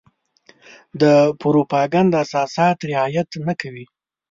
د پروپاګنډ اساسات رعايت نه کوي.